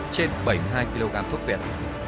trên bảy mươi hai kg thuốc việt